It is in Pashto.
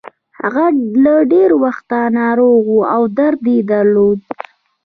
هغه له ډېره وخته ناروغه وه او درد يې درلود.